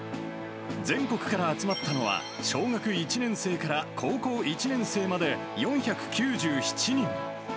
全国から集まったのは、小学１年生から高校１年生まで、４９７人。